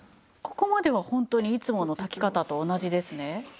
ここまではホントにいつもの炊き方と同じですね。